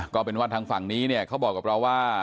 ก็เป็นว่าทางฝั่งนี้เนี่ยเขาบอกกับเราว่า